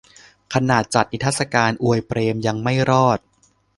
"ขนาดจัดนิทรรศการอวยเปรมยังไม่รอด"